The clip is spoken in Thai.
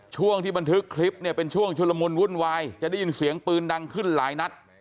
ช่วงที่บันทึกคลิปเนี่ยเป็นช่วงชุลมุนวุ่นวายจะได้ยินเสียงปืนดังขึ้นหลายนัด